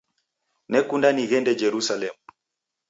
Nekunda nighende Jerusalemu